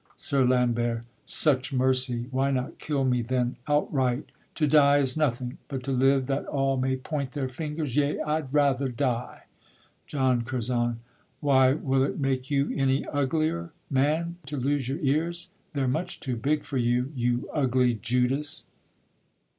SIR LAMBERT. Such mercy! why not kill me then outright? To die is nothing; but to live that all May point their fingers! yea, I'd rather die. JOHN CURZON. Why, will it make you any uglier man To lose your ears? they're much too big for you, You ugly Judas!